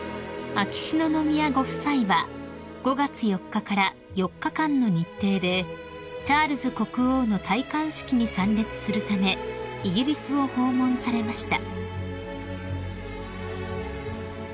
［秋篠宮ご夫妻は５月４日から４日間の日程でチャールズ国王の戴冠式に参列するためイギリスを訪問されました］